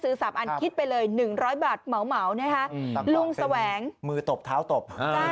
๓อันคิดไปเลย๑๐๐บาทเหมานะคะลุงแสวงมือตบเท้าตบ